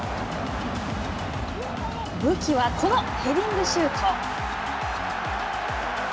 武器はこのヘディングシュート。